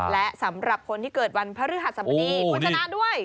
และสำหรับคนที่เกิดวันพระฤหัสสมดีคุณชนะด้วย